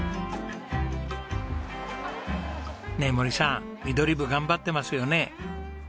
ねえ森さんミドリブ頑張ってますよね？